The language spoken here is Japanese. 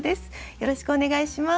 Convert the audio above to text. よろしくお願いします。